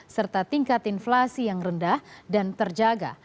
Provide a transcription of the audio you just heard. serta tingkat inflasi yang rendah dan terjaga